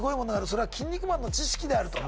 それは『キン肉マン』の知識であると。